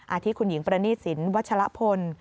อาทิตย์คุณหญิงประณีสินวัชละพล